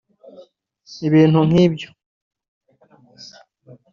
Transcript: ibintu nk’ibyo”